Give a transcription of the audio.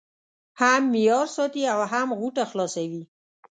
هم معیار ساتي او هم غوټه خلاصوي.